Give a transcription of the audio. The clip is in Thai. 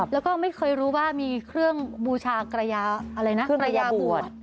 แล้วก็ไม่เคยรู้ว่ามีเครื่องบูชากระยาบวช